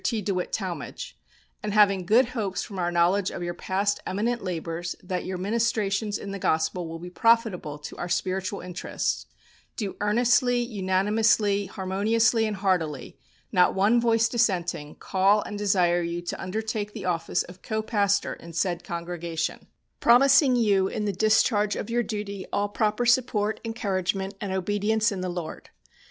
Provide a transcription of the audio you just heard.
T. DeWitt Talmage, and having good hopes from our knowledge of your past eminent labours that your ministrations in the Gospel will be profitable to our spiritual interests, do earnestly, unanimously, harmoniously and heartily, not one voice dissenting, call and desire you to undertake the office of co pastor in said congregation, promising you in the discharge of your duty all proper support, encouragement and obedience in the Lord.